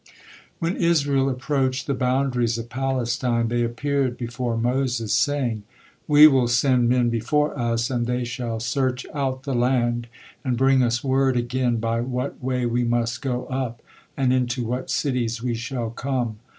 When Israel approached the boundaries of Palestine, they appeared before Moses, saying: "We will send men before us, and they shall search out the land, and bring us word again by what way we must go up, and into what cities we shall come."